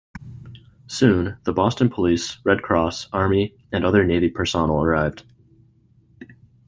Soon, the Boston Police, Red Cross, Army, and other Navy personnel arrived.